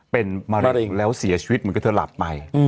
เป็นมะเร็งแล้วเสียชีวิตเหมือนกับเธอหลับไป